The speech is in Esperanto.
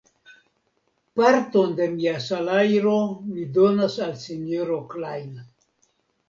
Parton de mia salajro mi donas al sinjoro Klajn.